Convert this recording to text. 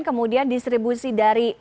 kemudian distribusi dari